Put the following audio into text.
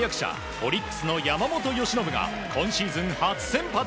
オリックスの山本由伸が今シーズン初先発。